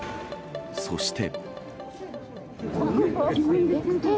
そして。